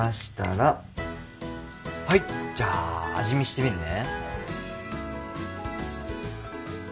はいじゃあ味見してみるね。